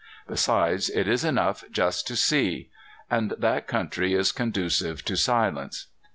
Besides, it is enough just to see; and that country is conducive to silence.